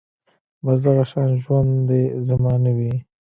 بس دغه شان ژوند دې زما نه وي